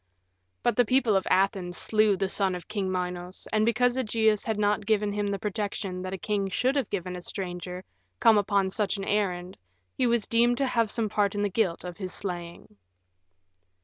But the people of Athens slew the son of King Minos, and because Ægeus had not given him the protection that a king should have given a stranger come upon such an errand he was deemed to have some part in the guilt of his slaying.